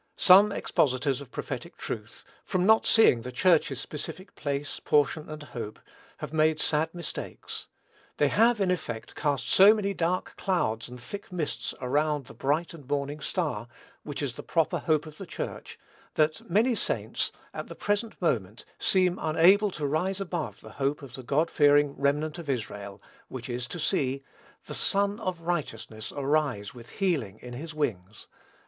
Some expositors of prophetic truth, from not seeing the Church's specific place, portion, and hope, have made sad mistakes. They have, in effect, cast so many dark clouds and thick mists around "the bright and morning star," which is the proper hope of the Church, that many saints, at the present moment, seem unable to rise above the hope of the God fearing remnant of Israel, which is to see "the Sun of righteousness arise with healing in his wings."